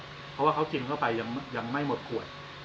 เพราะว่าเขากินเข้าไปยังไม่หมดขวด